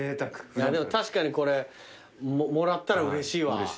でも確かにこれもらったらうれしいわ。